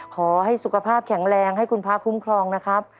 ขอให้สุขภาพแข็งแรงให้คุณพระคุ้มครองนะครับ